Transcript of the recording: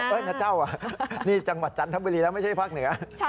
นะเจ้านี่จังหวัดจันทบุรีแล้วไม่ใช่ภาคเหนือ